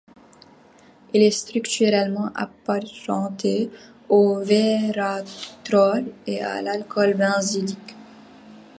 Il est structurellement apparenté au vératrole et à l'alcool benzylique.